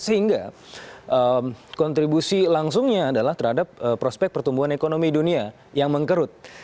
sehingga kontribusi langsungnya adalah terhadap prospek pertumbuhan ekonomi dunia yang mengkerut